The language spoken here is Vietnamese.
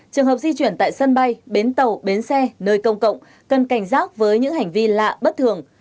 trường hợp di chuyển tại sân bay bến tàu bến xe nơi công cộng cần cảnh giác với những hành vi lạ bất thường